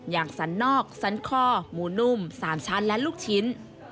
อย่างสันนอกสันข้อหมูนุ่มสามชั้นและลูกชิ้น